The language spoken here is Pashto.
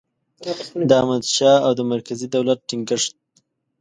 د احمدشاه او د مرکزي دولت ټینګیښت